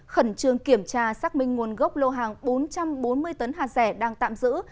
khẩn trương kiểm tra xác minh nguồn gốc lô hàng bốn trăm bốn mươi tấn hạt rẻ đang tạm giữ